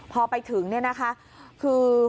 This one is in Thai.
พอไปถึงเนี่ยนะคะคือ